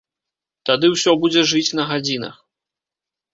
Тады ўсё будзе жыць на гадзінах.